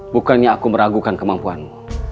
bukannya aku meragukan kemampuanmu